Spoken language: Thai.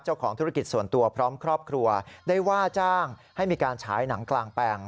เจ้าของธุรกิจส่วนตัวพร้อมครอบครัวได้ว่าจ้างให้มีการฉายหนังกลางแปลง